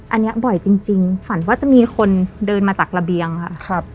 อันนี้บ่อยจริงฝันว่าจะมีคนเดินมาจากระเบียงค่ะครับ